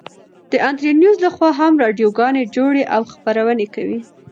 د انترنيوز لخوا هم راډيو گانې جوړې او خپرونې كوي.